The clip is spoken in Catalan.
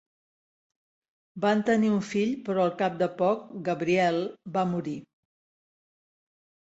Van tenir un fill però al cap de poc, Gabriel va morir.